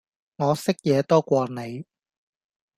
我識野多過你